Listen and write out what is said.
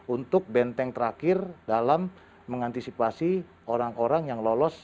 untuk benteng terakhir dalam mengantisipasi orang orang yang lolos